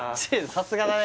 さすがだね